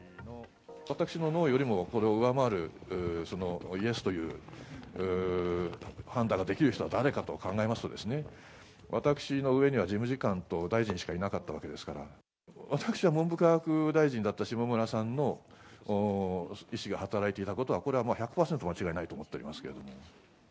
私のノーよりも、これを上回る、そのイエスという判断ができる人は誰かと考えますとね、私の上には、事務次官と大臣しかいなかったわけですから、私は文部科学大臣だった下村さんの意思が働いていたことは、これはもう１００％間違いないと思っておりますけれども。